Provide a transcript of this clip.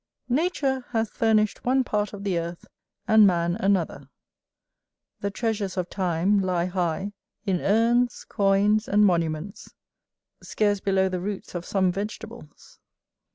Nature hath furnished one part of the earth, and man another. The treasures of time lie high, in urns, coins, and monuments, scarce below the roots of some vegetables.